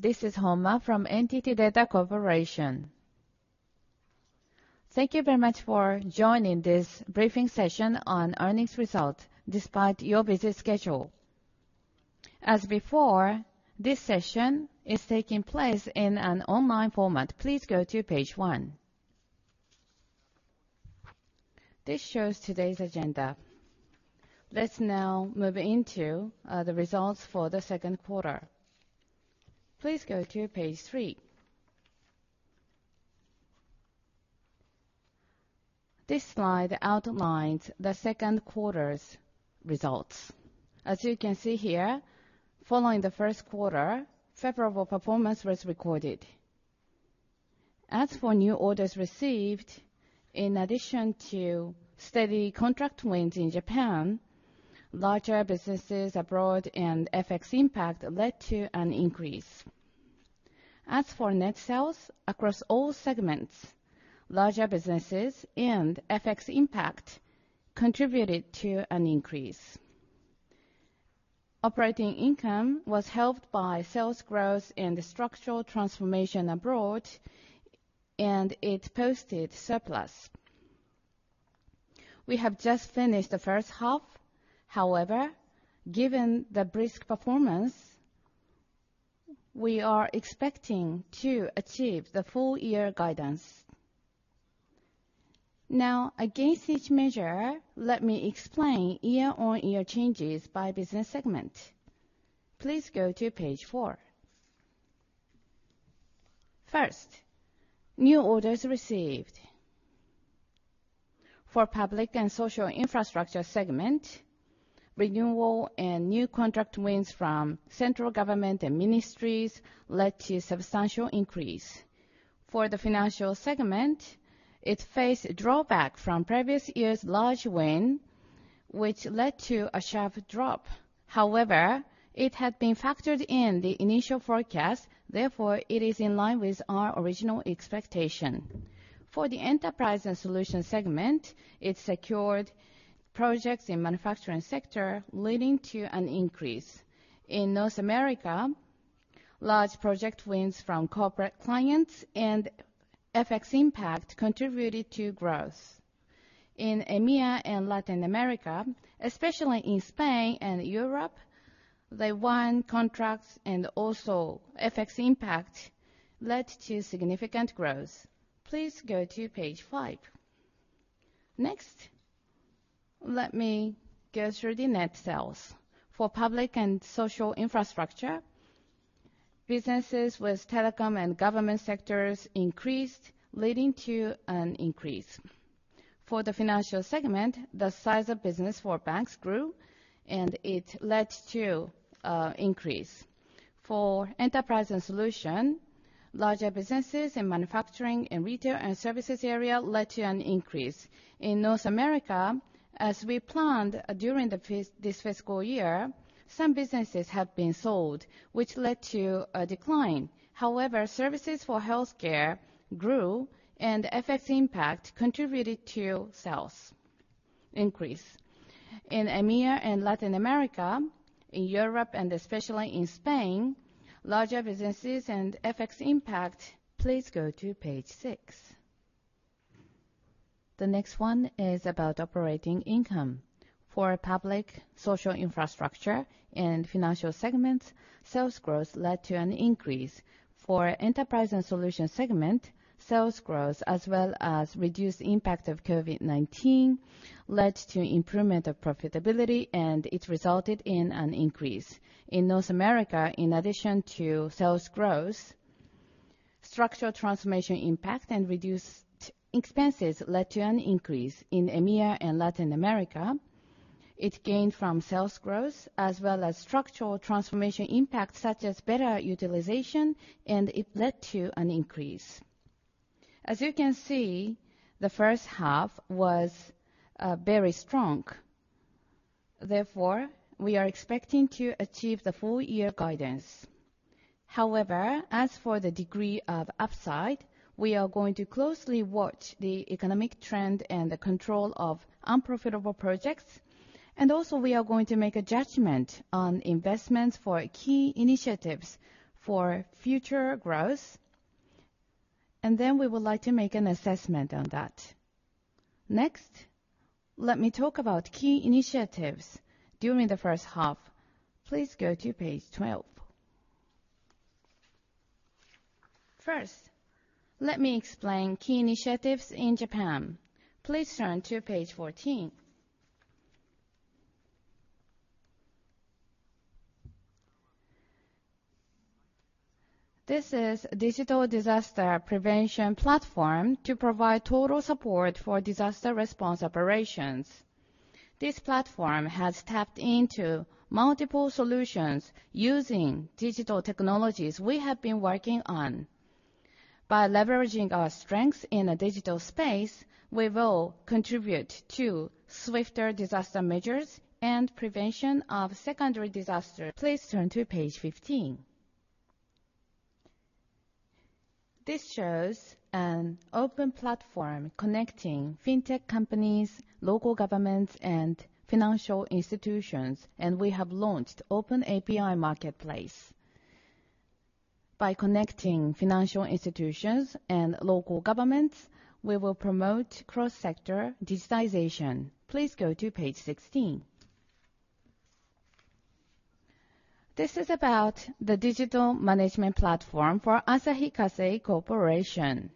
This is Homma from NTT DATA Corporation. Thank you very much for joining this briefing session on earnings result despite your busy schedule. As before, this session is taking place in an online format. Please go to page one. This shows today's agenda. Let's now move into the results for the second 1/4. Please go to page three. This slide outlines the second quarter's results. As you can see here, following the first 1/4, favorable performance was recorded. As for new orders received, in addition to steady contract wins in Japan, larger businesses abroad and FX impact led to an increase. As for net sales across all segments, larger businesses and FX impact contributed to an increase. Operating income was helped by sales growth and the structural transformation abroad, and it posted surplus. We have just finished the first half, however, given the brisk performance, we are expecting to achieve the full year guidance. Now, against each measure, let me explain Year-On-Year changes by business segment. Please go to page 4. First, new orders received. For Public and Social Infrastructure segment, renewal and new contract wins from central government and ministries led to substantial increase. For the Financial segment, it faced a drawback from previous year's large win, which led to a sharp drop. However, it had been factored in the initial forecast, therefore, it is in line with our original expectation. For the Enterprise and Solution segment, it secured projects in manufacturing sector, leading to an increase. In North America, large project wins from corporate clients and FX impact contributed to growth. In EMEA and Latin America, especially in Spain and Europe, they won contracts and also FX impact led to significant growth. Please go to page 5. Next, let me go through the net sales. For Public and Social Infrastructure, businesses with telecom and government sectors increased, leading to an increase. For the Financial segment, the size of business for banks grew, and it led to increase. For Enterprise and Solutions, larger businesses in manufacturing and retail and services area led to an increase. In North America, as we planned during this fiscal year, some businesses have been sold, which led to a decline. However, services for healthcare grew, and FX impact contributed to sales increase. In EMEA and Latin America, in Europe and especially in Spain, larger businesses and FX impact. Please go to page 6. The next one is about operating income. For public, social infrastructure and financial segments, sales growth led to an increase. For enterprise and solution segment, sales growth as well as reduced impact of COVID-19 led to improvement of profitability, and it resulted in an increase. In North America, in addition to sales growth, structural transformation impact and reduced expenses led to an increase. In EMEA and Latin America, it gained from sales growth as well as structural transformation impact, such as better utilization, and it led to an increase. As you can see, the first half was very strong. Therefore, we are expecting to achieve the full year guidance. However, as for the degree of upside, we are going to closely watch the economic trend and the control of unprofitable projects. Also, we are going to make a judgment on investments for key initiatives for future growth, and then we would like to make an assessment on that. Next, let me talk about key initiatives during the first half. Please go to page 12. First, let me explain key initiatives in Japan. Please turn to page 14. This is Digital Disaster Prevention Platform to provide total support for disaster response operations. This platform has tapped into multiple solutions using digital technologies we have been working on. By leveraging our strengths in a digital space, we will contribute to swifter disaster measures and prevention of secondary disaster. Please turn to page 15. This shows an open platform connecting fintech companies, local governments, and financial institutions, and we have launched Open API Marketplace. By connecting financial institutions and local governments, we will promote cross-sector digitization. Please go to page 16. This is about the digital management platform for Asahi Kasei Corporation.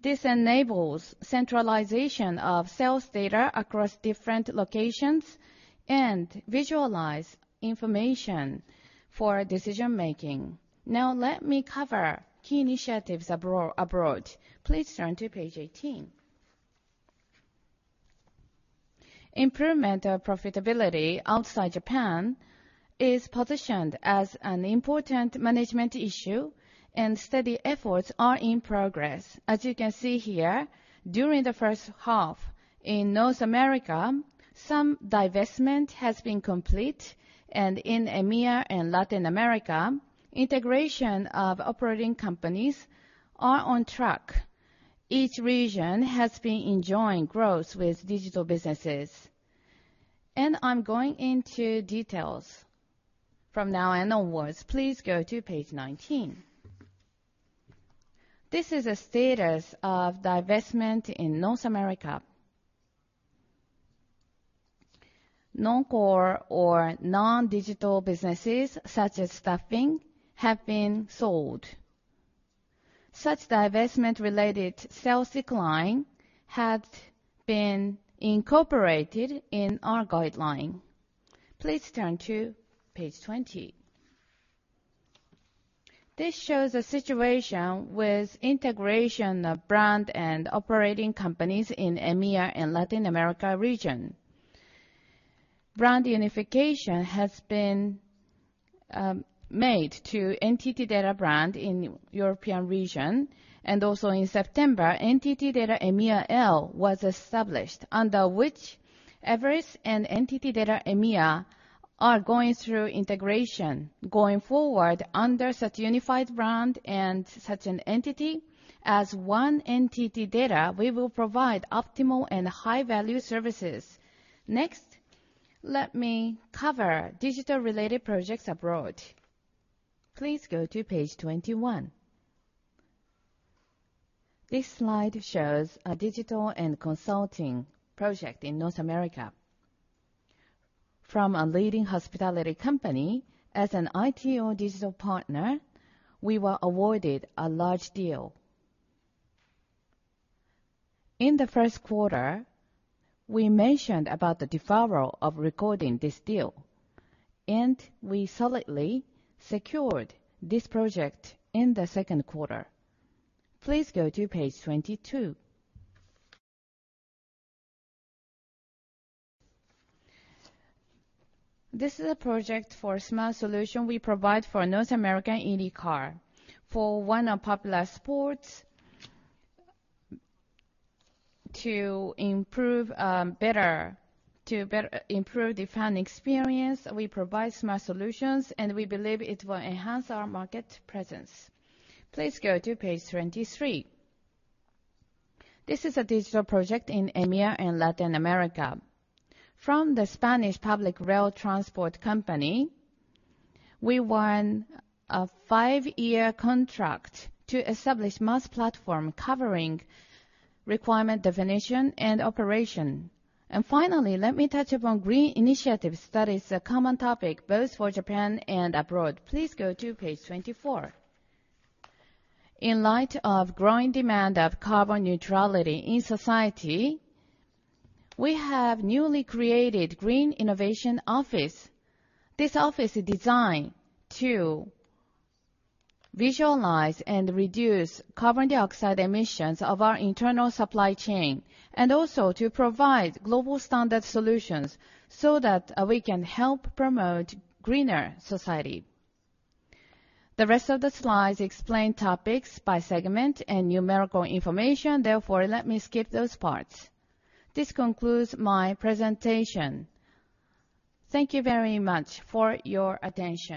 This enables centralization of sales data across different locations and visualize information for Decision-Making. Now let me cover key initiatives abroad. Please turn to page 18. Improvement of profitability outside Japan is positioned as an important management issue, and steady efforts are in progress. As you can see here, during the first half in North America, some divestment has been complete, and in EMEA and Latin America, integration of operating companies are on track. Each region has been enjoying growth with digital businesses. I'm going into details from now and onwards. Please go to page 19. This is a status of divestment in North America. Non-Core or Non-Digital businesses, such as staffing, have been sold. Such divestment related sales decline had been incorporated in our guideline. Please turn to page 20. This shows a situation with integration of brand and operating companies in EMEA and Latin America region. Brand unification has been made to NTT DATA brand in European region. Also in September, NTT DATA EMEAL was established, under which everis and NTT DATA EMEA are going through integration. Going forward under such unified brand and such an entity as one NTT DATA, we will provide optimal and high-value services. Next, let me cover digital related projects abroad. Please go to page 21. This slide shows a digital and consulting project in North America. From a leading hospitality company as an ITO digital partner, we were awarded a large deal. In the first 1/4, we mentioned about the deferral of recording this deal, and we solidly secured this project in the second 1/4. Please go to page 22. This is a project for smart solution we provide for North American INDYCAR. For one of popular sports, to better improve the fan experience, we provide smart solutions, and we believe it will enhance our market presence. Please go to page 23. This is a digital project in EMEA and Latin America. From the Spanish public rail transport company, we won a 5-year contract to establish MaaS platform covering requirement definition and operation. Finally, let me touch upon green initiatives. That is a common topic both for Japan and abroad. Please go to page 24. In light of growing demand of carbon neutrality in society, we have newly created Green Innovation Office. This office is designed to visualize and reduce carbon dioxide emissions of our internal supply chain, and also to provide global standard solutions so that we can help promote greener society. The rest of the slides explain topics by segment and numerical information. Therefore, let me skip those parts. This concludes my presentation. Thank you very much for your attention.